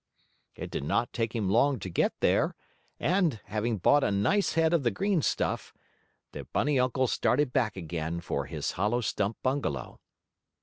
It did not take him long to get there, and, having bought a nice head of the green stuff, the bunny uncle started back again for his hollow stump bungalow.